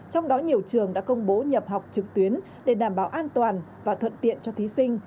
trong đó nhiều trường đã công bố nhập học trực tuyến để đảm bảo an toàn và thuận tiện cho thí sinh